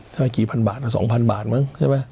ใช่ไหมกี่พันบาทอ่ะ๒พันบาทมั้งใช่ไหม